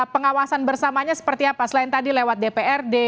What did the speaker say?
pengawasan bersamanya seperti apa selain tadi lewat dprd